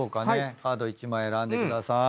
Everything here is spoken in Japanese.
カード１枚選んでください。